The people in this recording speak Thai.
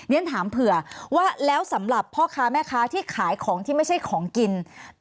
ฉันถามเผื่อว่าแล้วสำหรับพ่อค้าแม่ค้าที่ขายของที่ไม่ใช่ของกิน